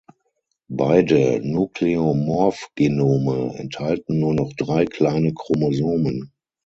Beide Nucleomorph-Genome enthalten nur noch drei kleine Chromosomen.